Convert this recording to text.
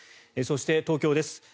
そして、東京です。